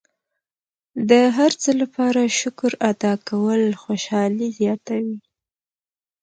د هر څه لپاره شکر ادا کول خوشحالي زیاتوي.